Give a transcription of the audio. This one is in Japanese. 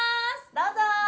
どうぞ！